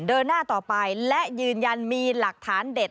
เดินหน้าต่อไปและยืนยันมีหลักฐานเด็ด